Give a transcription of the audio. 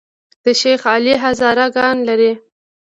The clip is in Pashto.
د شیخ علي هزاره ګان لري